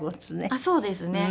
あっそうですね。